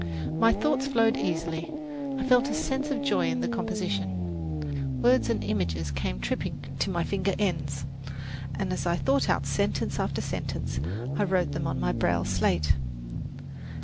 My thoughts flowed easily; I felt a sense of joy in the composition. Words and images came tripping to my finger ends, and as I thought out sentence after sentence, I wrote them on my braille slate.